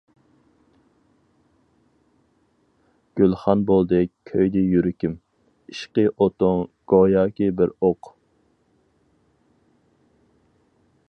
گۈلخان بولدى كۆيدى يۈرىكىم، ئىشقى ئوتۇڭ گوياكى بىر ئوق.